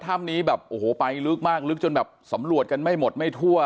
ถ้ำนี้แบบโอ้โหไปลึกมากลึกจนแบบสำรวจกันไม่หมดไม่ทั่ว